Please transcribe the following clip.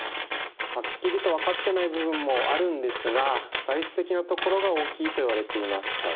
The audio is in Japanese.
はっきりと分かってない部分もあるんですが体質的なところが大きいといわれています。